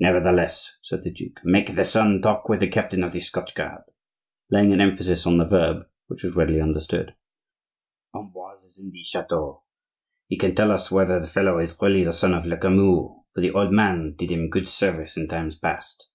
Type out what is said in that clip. "Nevertheless," said the duke, "make the son talk with the captain of the Scotch guard," laying an emphasis on the verb which was readily understood. "Ambroise is in the chateau; he can tell us whether the fellow is really the son of Lecamus, for the old man did him good service in times past.